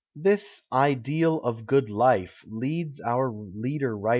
This " ideal of good life " leads our Kader writcr p.